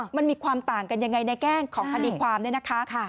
มันมีความต่างกันยังไงในแก้งของคดีความเนี่ยนะคะ